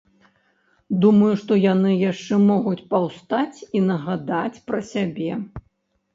Думаю, што яны яшчэ могуць паўстаць і нагадаць пра сябе.